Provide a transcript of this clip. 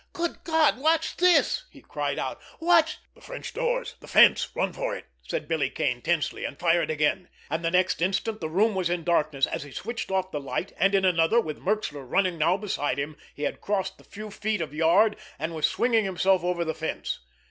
"Good God, what's this!" he cried out. "What's——" "The French doors—the fence—run for it!" said Billy Kane tensely, and fired again. And the next instant the room was in darkness, as he switched off the light; and in another, with Merxler running now beside him, he had crossed the few feet of yard and was swinging himself over the fence.